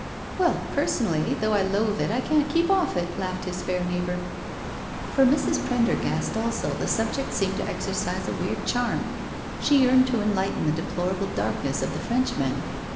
Well, personally, though I loathe it I can't keep off it," laughed his fair neighbour. For Mrs. Prendergast also the subject seemed to exercise a weird charm. She yearned to enlighten the deplorable darkness of the Frenchman.